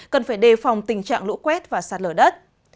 cần phải đề phòng tình trạng lũ quét và sạt lở đất